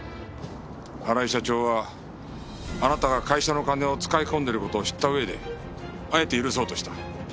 荒井社長はあなたが会社の金を使い込んでいる事を知った上であえて許そうとした。